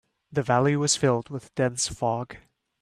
The valley was filled with dense fog.